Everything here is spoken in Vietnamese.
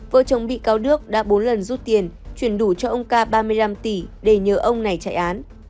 vợ chồng bị cáo đức đã bốn lần rút tiền chuyển đủ cho ông ca ba mươi năm tỷ để nhờ ông này chạy án